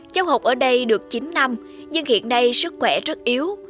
cháu học ở đây được chín năm nhưng hiện nay sức khỏe rất yếu